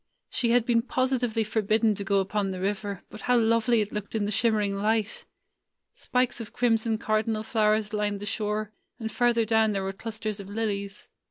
She had been positively forbidden to go upon the river ; but how lovely it looked in the shimmering light! Spikes of crimson cardinal flowers lined the shore, and farther down there were clusters of lilies.